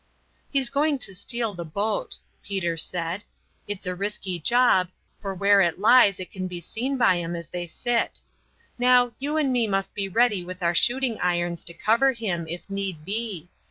"He's going to steal the boat," Peter said. "It's a risky job, for where it lies it can be seen by 'em as they sit. Now, you and me must be ready with our shooting irons to cover him, if need be.